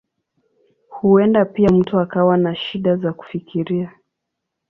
Huenda pia mtu akawa na shida za kufikiria.